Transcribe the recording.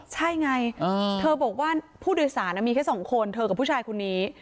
ใช่ไงเธอบอกว่าผู้โดยสารมีแค่สองคนเธอกับผู้ชายคนนี้